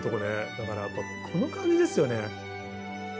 だからやっぱこの感じですよね。